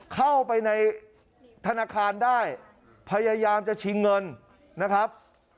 เข้าไปในธนาคารได้พยายามจะชิงเงินนะครับ